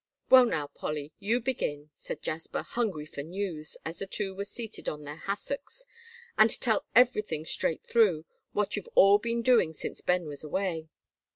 "Well, now Polly, you begin," said Jasper, hungry for news, as the two were seated on their hassocks, "and tell everything straight through, what you've all been doing since Ben was away."